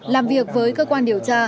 làm việc với cơ quan điều tra